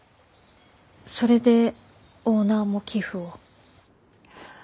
それでオーナーも寄付を。